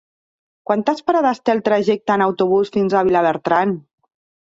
Quantes parades té el trajecte en autobús fins a Vilabertran?